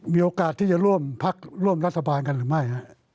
มีโอกาสที่จะร่วมพักร่วมรัฐบาลกันหรือไม่